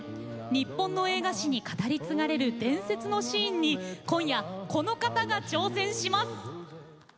日本の映画史に語り継がれる伝説のシーンに今夜、この方が挑戦します。